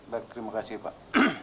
baik terima kasih pak